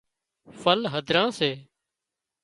ڦل هڌران سي